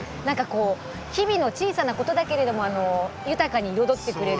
日々の小さなことだけれども豊かに彩ってくれる。